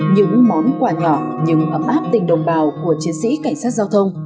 những món quà nhỏ nhưng ấm áp tình đồng bào của chiến sĩ cảnh sát giao thông